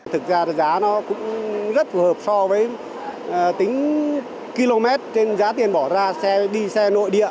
thực ra là giá nó cũng rất phù hợp so với tính km trên giá tiền bỏ ra xe đi xe nội địa